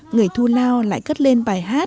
người thu lao lại cất lên bài hát